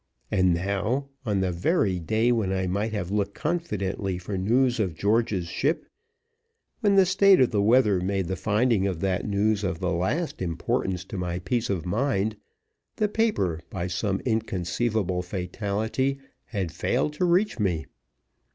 And now, on the very day when I might have looked confidently for news of George's ship, when the state of the weather made the finding of that news of the last importance to my peace of mind, the paper, by some inconceivable fatality, had failed to reach me!